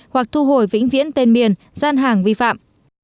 hoặc thu hồi vĩnh viễn tên miền gian hàng vi phạm